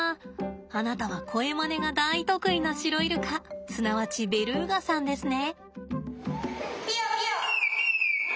あなたは声まねが大得意なシロイルカすなわちベルーガさんですね。